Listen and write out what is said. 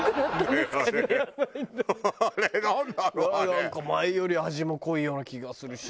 なんか前より味も濃いような気がするし。